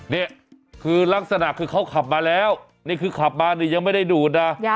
นี่คือลักษณะคือเขาขับมาแล้วนี่คือขับมานี่ยังไม่ได้ดูดนะ